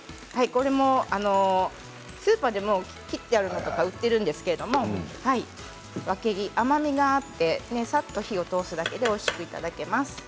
これもスーパーで切ってあるものとかが売っているんですけれどわけぎ、甘みがあってさっと火を通すだけでおいしくいただけます。